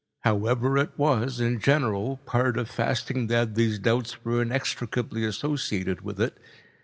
However, it was, in general, part of fasting that these doubts were inextricably associated with it.